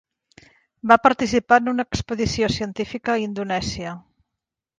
Va participar en una expedició científica a Indonèsia.